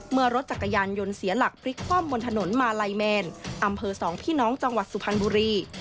เมื่อรถจักรยานยนต์เสียหลักพลิกคว่ำบนถนนมาลัยแมนอำเภอสองพี่น้องจังหวัดสุพรรณบุรี